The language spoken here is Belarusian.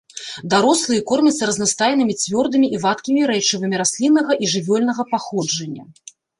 Дарослыя кормяцца разнастайнымі цвёрдымі і вадкімі рэчывамі расліннага і жывёльнага паходжання.